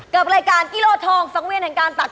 กับรายการกิโลทองสังเวียนแห่งการตัก